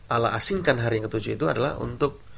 allah asingkan hari yang ke tujuh itu adalah untuk